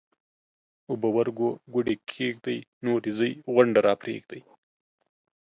اوبه ورګو ګوډي کښېږدئ ـ نورې ځئ غونډه راپرېږدئ